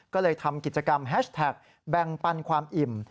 ก็เลยทำกิจกรรมแฮชแท็กแบ่งปันความอิ่ม